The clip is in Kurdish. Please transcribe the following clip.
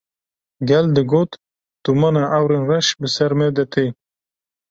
Gel digot: “Dûmana ewrên reş bi ser me de tê”